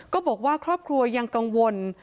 ก็บอกว่าครอบครัวยังกังวล